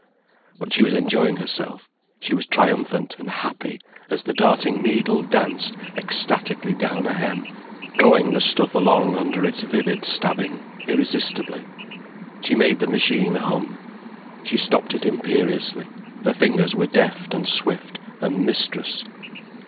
But she was enjoying herself, she was triumphant and happy as the darting needle danced ecstatically down a hem, drawing the stuff along under its vivid stabbing, irresistibly. She made the machine hum. She stopped it imperiously, her fingers were deft and swift and mistress.